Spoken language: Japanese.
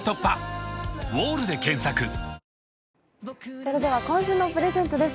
それでは、今週のプレゼントです。